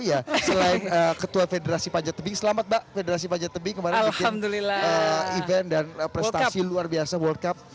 iya selain ketua federasi panjat tebing selamat mbak federasi panjat tebing kemarin bikin event dan prestasi luar biasa world cup